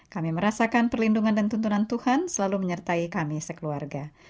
kami merasakan perlindungan dan tuntunan tuhan selalu menyertai kami sekeluarga